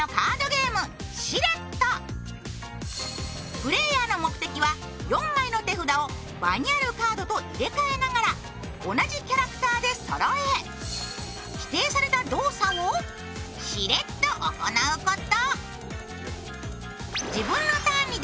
プレーヤーの目的は４枚の手札を場にあるカードと入れ替えながら同じキャラクターでそろえ、指定された動作をしれっと行うこと。